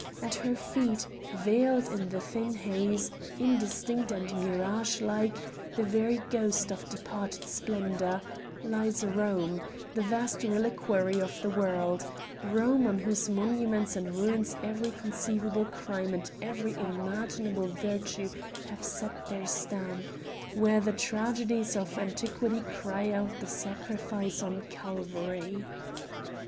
At her feet, veiled in the thin haze, indistinct and mirage like, the very ghost of departed splendor, lies Rome the vast reliquary of the world; Rome, on whose monuments and ruins every conceivable crime and every imaginable virtue have set their stamp; where the tragedies of antiquity cry out to the Sacrifice on Calvary.